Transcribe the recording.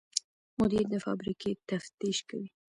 مدیر د فابریکې تفتیش کوي.